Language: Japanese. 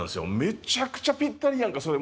めちゃくちゃぴったりやんかそれ